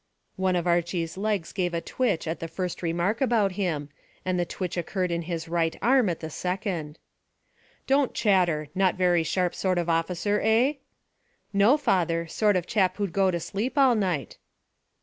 One of Archy's legs gave a twitch at the first remark about him, and the twitch occurred in his right arm at the second. "Don't chatter. Not very sharp sort of officer, eh?" "No, father. Sort of chap who'd go to sleep all night."